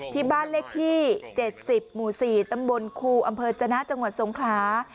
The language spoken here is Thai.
ที่บ้านเลขที่๗๐หมู่๔ตำบลครูอำเภอจนะจังหวัดสงครา